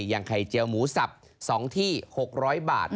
อย่างไข่เจียวหมูสับ๒ที่๖๐๐บาท